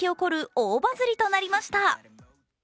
大バズりとなりました。